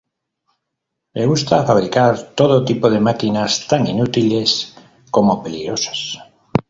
Les gusta fabricar todo tipo de máquinas, tan inútiles como peligrosas.